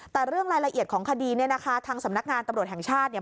แต่เรื่องรายละเอียดของคดีเนี่ยนะคะทางสำนักงานตำรวจแห่งชาติเนี่ย